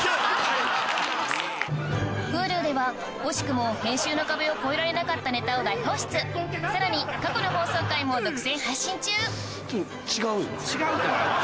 Ｈｕｌｕでは惜しくも編集の壁を越えられなかったネタを大放出さらに過去の放送回も独占配信中違うよ。